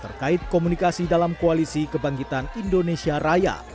terkait komunikasi dalam koalisi kebangkitan indonesia raya